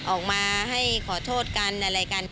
ออกมาให้ขอโทษกันอะไรกัน